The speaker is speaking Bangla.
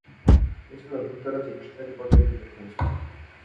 এছাড়াও, যুক্তরাজ্যে পেশাদারী পর্যায়ে ক্রিকেট খেলেছেন।